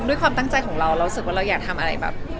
ด้วยความตั้งใจของเราเรารู้สึกว่าเราอยากทำอะไรแบบ